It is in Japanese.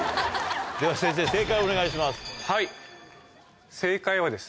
では先生正解をお願いします。